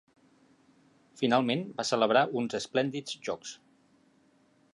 Finalment va celebrar uns esplèndids jocs.